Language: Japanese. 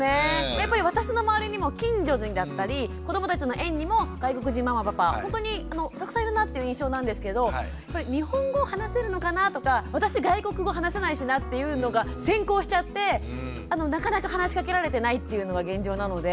やっぱり私の周りにも近所にだったり子どもたちの園にも外国人ママパパほんとにたくさんいるなっていう印象なんですけど日本語話せるのかなとか私外国語話せないしなっていうのが先行しちゃってなかなか話しかけられてないっていうのが現状なので。